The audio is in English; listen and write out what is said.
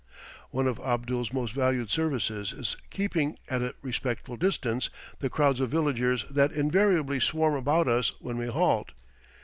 One of Abdul's most valued services is keeping at a respectful distance the crowds of villagers that invariably swarm about us when we halt.